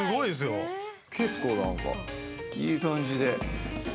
結構なんかいい感じで。